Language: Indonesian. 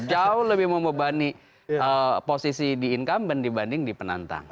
jauh lebih membebani posisi di incumbent dibanding di penantang